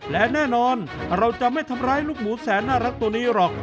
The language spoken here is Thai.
และแน่นอนเราจะไม่ทำร้ายลูกหมูแสนน่ารักตัวนี้หรอก